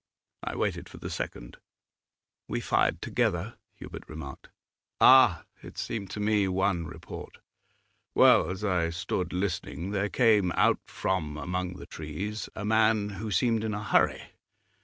I waited for the second.' 'We fired together,' Hubert remarked. 'Ah! It seemed to me one report. Well, as I stood listening, there came out from among the trees a man who seemed in a hurry.